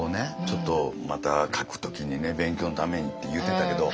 ちょっとまた書く時にね勉強のためにって言ってたけどうそでしょ？